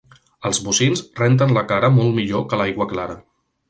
Els bocins renten la cara molt millor que l'aigua clara.